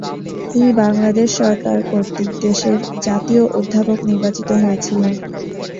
তিনি বাংলাদেশ সরকার কর্তৃক দেশের জাতীয় অধ্যাপক নির্বাচিত হয়েছিলেন।